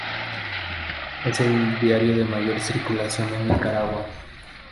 Es el diario de mayor circulación en Nicaragua.